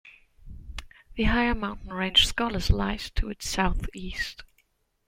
The higher mountain range Skollis lies to its southeast.